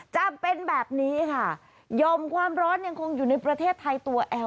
จะเป็นแบบนี้ค่ะยอมความร้อนยังคงอยู่ในประเทศไทยตัวแอล